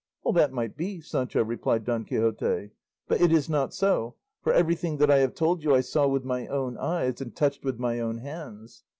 "All that might be, Sancho," replied Don Quixote; "but it is not so, for everything that I have told you I saw with my own eyes, and touched with my own hands.